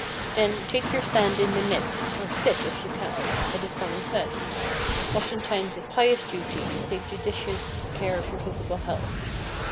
Then, take your stand in the midst—or sit, if you can. It is common sense—oftentimes a pious duty, to take judicious care of your physical health.